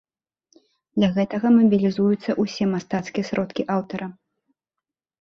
Для гэтага мабілізуюцца ўсе мастацкія сродкі аўтара.